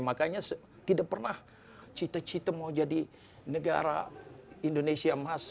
makanya tidak pernah cita cita mau jadi negara indonesia emas